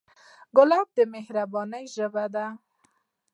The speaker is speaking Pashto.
ګلاب د مهربانۍ ژبه ده.